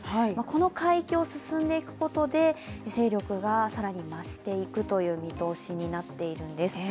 この海域を進んでいくことで勢力が更に増していくという見通しになっているんです。